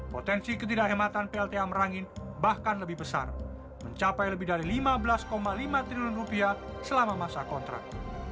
potensi ketidak hematan plta merangin bahkan lebih besar mencapai lebih dari rp lima belas lima triliun selama masa kontrak